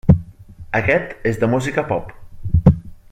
Aquest és de música pop.